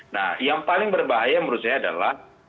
nah yang paling berbahaya menurut saya adalah